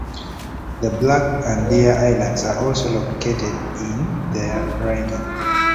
The Black and Deer Islands are also located in the riding.